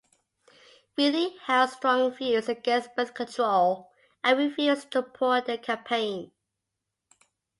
Wheatley held strong views against birth control and refused to support the campaign.